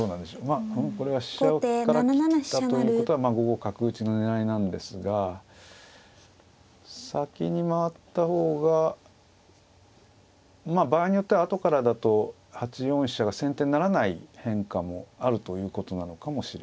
まあこれは飛車から切ったということは５五角打の狙いなんですが先に回った方がまあ場合によってはあとからだと８四飛車が先手にならない変化もあるということなのかもしれませんね。